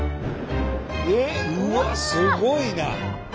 うわっすごいな！